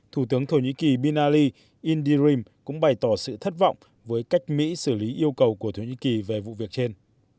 thủ tướng thổ nhĩ kỳ binali indirim cũng bày tỏ sự thất vọng với cách mỹ xử lý yêu cầu của thổ nhĩ kỳ về vụ việc trên